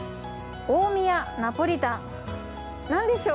大宮ナポリタン何でしょう？